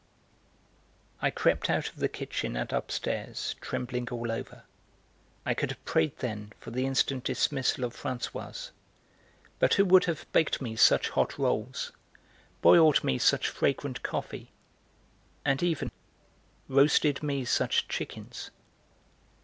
I crept out of the kitchen and upstairs, trembling all over; I could have prayed, then, for the instant dismissal of Françoise. But who would have baked me such hot rolls, boiled me such fragrant coffee, and even roasted me such chickens?